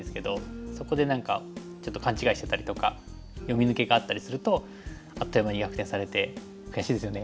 そこで何かちょっと勘違いしてたりとか読み抜けがあったりするとあっという間に逆転されて悔しいですよね。